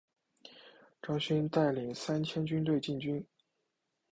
张勋带领三千军队进京。